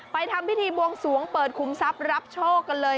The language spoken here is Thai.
ทำพิธีบวงสวงเปิดคุมทรัพย์รับโชคกันเลย